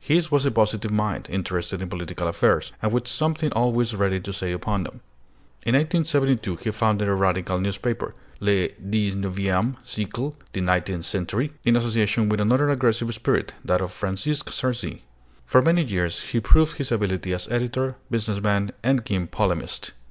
His was a positive mind, interested in political affairs, and with something always ready to say upon them. In 1872 he founded a radical newspaper, Le XIXme Siècle (The Nineteenth Century), in association with another aggressive spirit, that of Francisque Sarcey. For many years he proved his ability as editor, business man, and keen polemist.